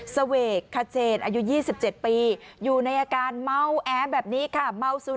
สเวกคเจนอายุยี่สิบเจ็ดปีอยู่ในอาการเมาแอ้แบบนี้ค่ะ